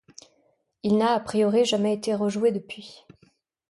Il n'a, a priori, jamais été rejoué depuis.